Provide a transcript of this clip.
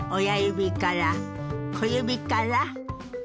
親指から小指から。